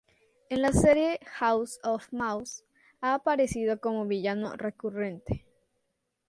En la serie "House of Mouse" ha aparecido como villano recurrente.